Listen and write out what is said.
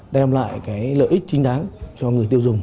đem lại cái lợi ích chính đáng cho người tiêu dùng